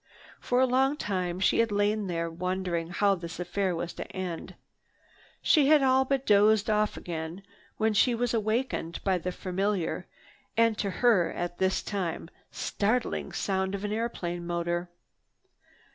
For a long time she had lain there wondering how this affair was to end. She had all but dozed off again when she was wakened by the familiar and, to her at this time, startling sound of an airplane motor.